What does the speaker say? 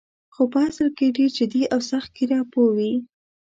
خو په اصل کې ډېر جدي او سخت ګیره پوه وې.